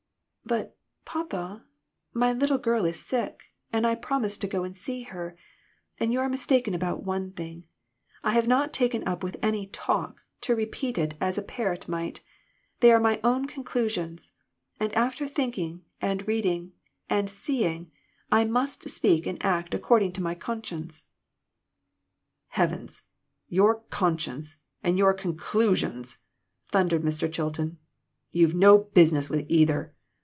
" But, papa, my little girl is sick, and I promised to go and see her. And you are mistaken about one thing. I have not taken up with any ' talk ' to repeat it as a parrot might. They are my own conclusions, after thinking and reading and see ing, and I must speak and act according to my conscience." "Heavens! Your 'conscience' and your 'con clusions'!" thundered Mr. Chilton ; "you've no business with either.